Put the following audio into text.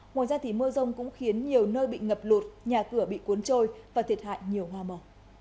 ngoài ra mưa rông cũng khiến nhiều nơi bị ngập lụt nhà cửa bị cuốn trôi và thiệt hại nhiều hoa mỏ